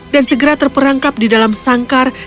dan segera terperangkap di dalam sangkar